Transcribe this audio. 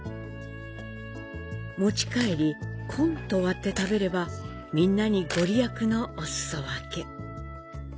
持ち帰り、コンと割って食べればみんなに御利益のおすそ分け。